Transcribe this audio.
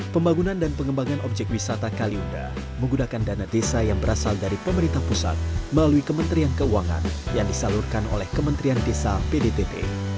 pembangunan dan pengembangan objek wisata kaliunda menggunakan dana desa yang berasal dari pemerintah pusat melalui kementerian keuangan yang disalurkan oleh kementerian desa pdtt